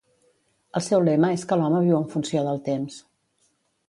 El seu lema és que l'home viu en funció del temps.